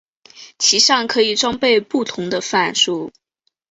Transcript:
其上可以装备不同的范数。